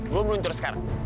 gue meluncur sekarang